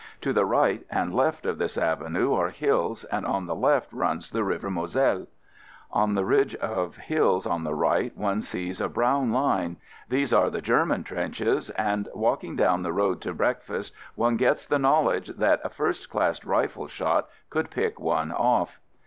To the right and left of this avenue are hills and on the left runs the River Moselle. On the ridge of hills on the right, one sees a brown line — these are the German trenches, and walking down the road to breakfast, one gets the knowledge that a first class rifle shot could pick one off.